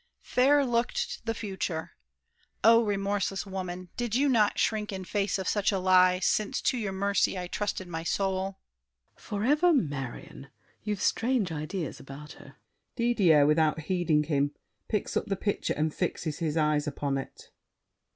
Fair looked the future! Oh, remorseless woman, Did you not shrink in face of such a lie, Since to your mercy I trusted my soul? SAVERNY. Forever Marion! You've strange ideas About her! DIDIER (without heeding him, picks up the picture and fixes his eyes upon it).